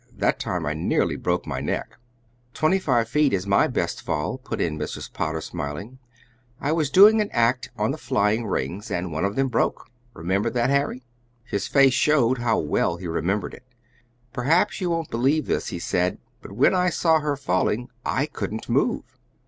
That time I nearly broke my neck." "Twenty five feet is my best fall," put in Mrs. Potter, smiling. "I was doing an act on the flying rings, and one of 'em broke. Remember that, Harry?" His face showed how well he remembered it. "Perhaps you won't believe this," he said, "but when I saw her falling I couldn't move.